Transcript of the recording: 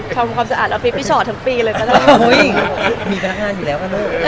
ทำความสะอาดอฟิตพี่ฉ่อทั้งปีเลยก็ได้โอ้ยมีการงานอยู่แล้วกันเนอะ